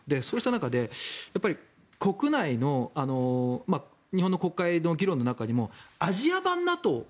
そうした中で、国内の日本の国会の議論の中にもアジア版